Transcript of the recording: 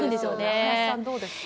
林さんどうですか？